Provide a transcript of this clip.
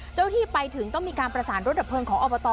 ที่ไปถึงต้องมีการประสานรถดับเพลิงของอบต